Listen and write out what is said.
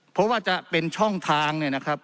เพราะว่าจะเป็นช่องทาง